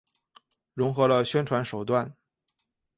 融合了宣传手段。